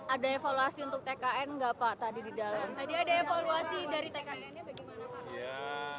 ada evaluasi untuk tkn enggak pak tadi di dalam tadi ada evaluasi dari tknnya bagaimana